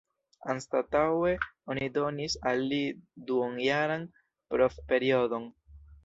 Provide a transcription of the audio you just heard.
Anstataŭe oni donis al li duonjaran provperiodon.